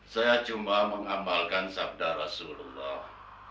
saya cuma mengamalkan sabda rasulullah